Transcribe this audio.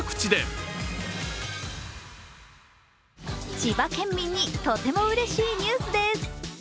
千葉県民にとてもうれしいニュースです。